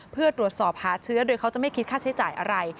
เพื่อตรวจสอบหาเชื้อโดยเขาจะไม่คิดค่าใช้จ่ายอะไร